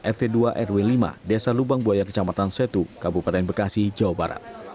rt dua rw lima desa lubang buaya kecamatan setu kabupaten bekasi jawa barat